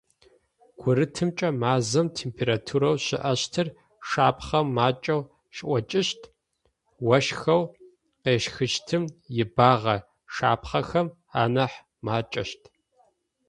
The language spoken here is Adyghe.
Гурытымкӏэ мазэм температурэу щыӏэщтыр шапхъэм макӏэу шӏокӏыщт, ощхэу къещхыщтым ибагъэ шапхъэхэм анахь мэкӏэщт.